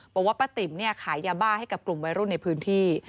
บอกว่าป้าติ๋มเนี่ยขายยาบ้าให้กับกลุ่มวัยรุ่นในพื้นที่